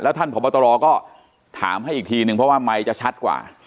ท่านพบตรก็ถามให้อีกทีนึงเพราะว่าไมค์จะชัดกว่า